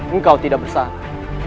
engkau tidak bersalah